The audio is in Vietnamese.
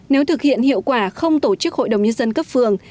nếu thực hiện hiệu quả không tổ chức hội đồng nhân dân cấp phường